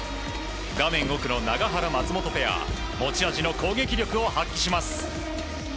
画面奥の永原、松本ペアが持ち味の攻撃力を発揮します。